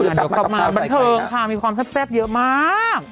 เดี๋ยวก่อนกลับมาบรรเทิงค่ะมีความซับเยอะมาก